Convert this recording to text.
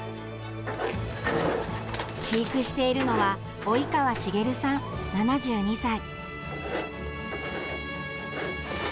飼育しているのは及川茂さん、７２歳。